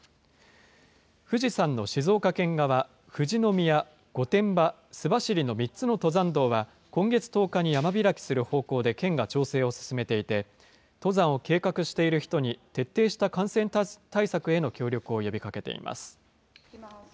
富士山の静岡県側、富士宮、御殿場、須走の３つの登山道は、今月１０日に山開きする方向で県が調整を進めていて、登山を計画している人に、徹底した感染対策への協力を呼びかけています。